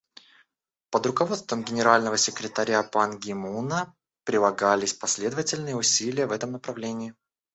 Под руководством Генерального секретаря Пан Ги Муна прилагались последовательные усилия в этом направлении.